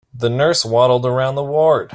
The nurse waddled around the ward.